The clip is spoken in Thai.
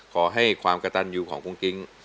ขอให้ความกระตันอยู่ของกุ้งกิ๊ง